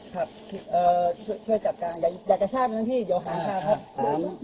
ช่วยจับกลาง